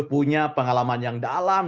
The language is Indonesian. punya pengalaman yang dalam